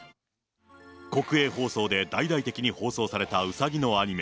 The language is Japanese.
国営放送で大々的に放送されたうさぎのアニメ。